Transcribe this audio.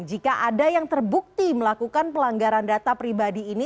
jika ada yang terbukti melakukan pelanggaran data pribadi ini